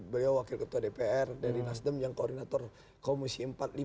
beliau wakil ketua dpr dari nasdem yang koordinator komisi empat ribu lima ratus enam puluh tujuh